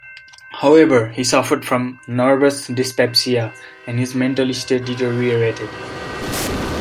However, he suffered from "nervous dyspepsia" and his mental state deteriorated.